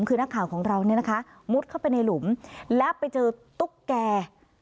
คือนักข่าวของเราเนี่ยนะคะมุดเข้าไปในหลุมแล้วไปเจอตุ๊กแก่